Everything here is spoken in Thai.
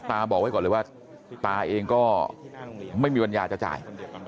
บอกไว้ก่อนเลยว่าตาเองก็ไม่มีปัญญาจะจ่าย